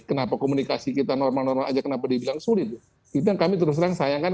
kenapa komunikasi kita normal normal aja kenapa dibilang sulit itu yang kami terus terang sayangkan